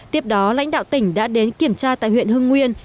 tiếp đó lãnh đạo tỉnh đã đến kiểm tra tại huyện hưng nguyên